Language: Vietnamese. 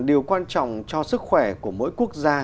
điều quan trọng cho sức khỏe của mỗi quốc gia